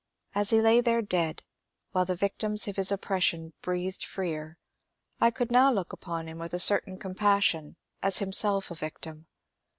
As he lay there dead, while the victims of his oppression breathed freer, I could now look upon him with a certain compassion as himself a victim.